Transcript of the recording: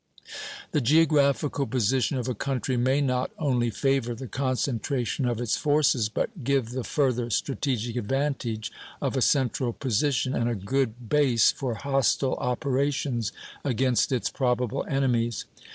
The geographical position of a country may not only favor the concentration of its forces, but give the further strategic advantage of a central position and a good base for hostile operations against its probable enemies.